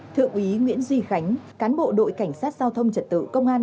thượng úy nguyễn duy khánh cán bộ đội cảnh sát giao thông trật tự công an